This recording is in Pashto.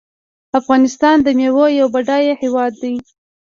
افغانستان د میوو یو بډایه هیواد دی.